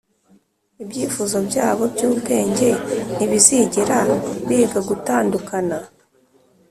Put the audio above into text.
ibyifuzo byabo byubwenge ntibizigera biga gutandukana;